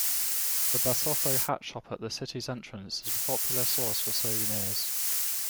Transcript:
The Basotho Hat shop at the city's entrance is a popular source for souvenirs.